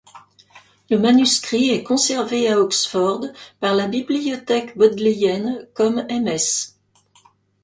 Le manuscrit est conservé à Oxford par la Bibliothèque Bodléienne comme Ms.